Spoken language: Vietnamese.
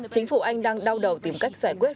chính phủ anh đang đau đầu tìm cách giải quyết